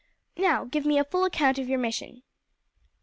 Now give me a full account of your mission."